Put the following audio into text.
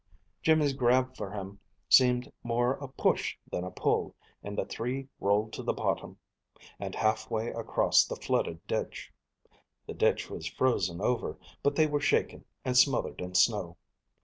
Jimmy's grab for him seemed more a push than a pull, and the three rolled to the bottom, and half way across the flooded ditch. The ditch was frozen over, but they were shaken, and smothered in snow.